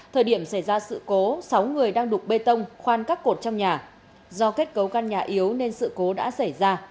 thời điểm xảy ra sự cố sáu người đang đục bê tông khoan các cột trong nhà do kết cấu căn nhà yếu nên sự cố đã xảy ra